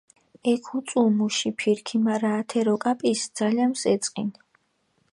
ექ უწუუ მუში ფირქი, მარა ათე როკაპისჷ ძალამქჷ ეწყინჷ.